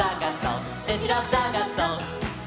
うしろさがそっ！」